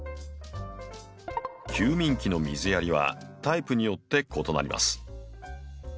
休眠期の水やりはタイプによって異なります。